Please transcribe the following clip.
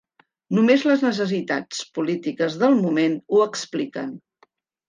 Només les necessitats polítiques del moment ho expliquen.